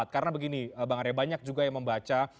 karena begini bang arya banyak juga yang membaca